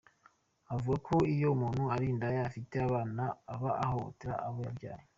Avuga ko iyo umuntu ari indaya afite abana aba ahohotera abo yabyaye.